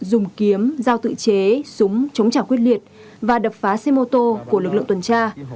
dùng kiếm giao tự chế súng chống trả quyết liệt và đập phá xe mô tô của lực lượng tuần tra